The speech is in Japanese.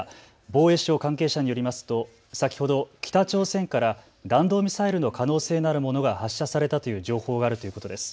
防衛省関係者によりますと先ほど北朝鮮から弾道ミサイルの可能性のあるものが発射されたという情報があるということです。